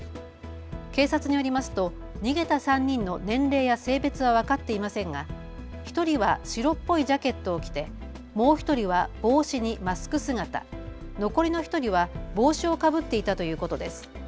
警察によりますと逃げた３人の年齢や性別は分かっていませんが１人は白っぽいジャケットを着て、もう１人は帽子にマスク姿、残りの１人は帽子をかぶっていたということです。